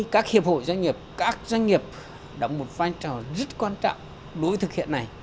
các hiệp hội doanh nghiệp các doanh nghiệp đóng một vai trò rất quan trọng đối với thực hiện này